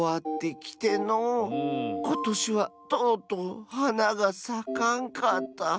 ことしはとうとうはながさかんかった。